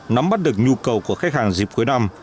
nắm bắt được nhu cầu của khách hàng dịp cuối năm